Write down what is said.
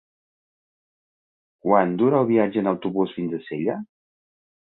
Quant dura el viatge en autobús fins a Sella?